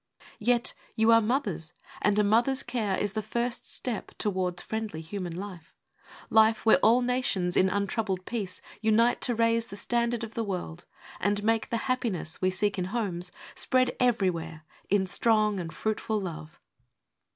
Yet you are mothers! And a mother's care Is the first step towards friendly human life, Life where all nations in untroubled peace Unite to raise the standard of the world And make the happiness we seek in homes Spread everywhere in strong and fruitful love.